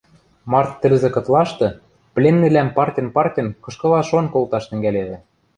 Март тӹлзӹ кытлашты пленныйвлӓм партьын-партьын кышкыла-шон колташ тӹнгӓлевӹ.